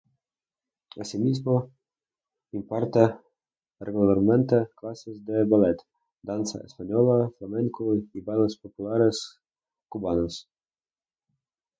Asimismo, imparte regularmente clases de ballet, danza española, flamenco y bailes populares cubanos.